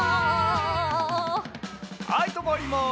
はいとまります。